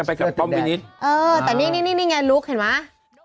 เออแต่นี่นี่ไงลุคเห็นไหม